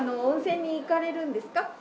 温泉に行かれるんですか？